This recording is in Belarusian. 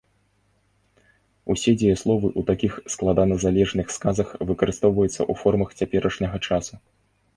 Усе дзеясловы ў такіх складаназалежных сказах выкарыстоўваюцца ў формах цяперашняга часу.